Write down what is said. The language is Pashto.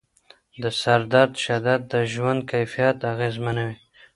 د سردرد شدت د ژوند کیفیت اغېزمنوي.